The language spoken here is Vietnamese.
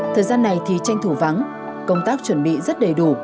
thời gian này thì tranh thủ vắng công tác chuẩn bị rất đầy đủ